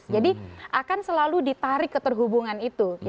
jadi akan selalu ditarik keterhubungan itu